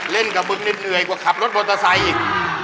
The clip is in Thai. กับมึงเหนื่อยกว่าขับรถมอเตอร์ไซค์อีก